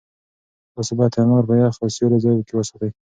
تاسو باید انار په یخ او سیوري ځای کې وساتئ.